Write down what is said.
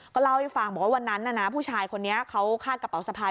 ก็เล่าให้ฟังบอกว่าวันนั้นน่ะนะผู้ชายคนนี้เขาคาดกระเป๋าสะพาย